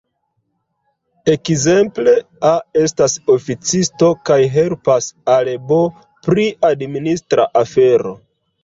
Ekzemple, A estas oficisto kaj helpas al B pri administra afero.